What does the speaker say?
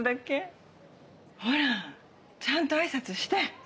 ほらちゃんと挨拶して。